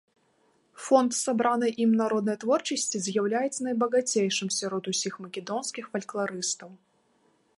Фонд сабранай ім народнай творчасці з'яўляецца найбагацейшым сярод усіх македонскіх фалькларыстаў.